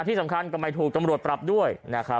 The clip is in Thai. ที่สำคัญก็ไม่ถูกตำรวจปรับด้วยนะครับ